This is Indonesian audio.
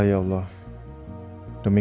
pergi hai masih combo ber masa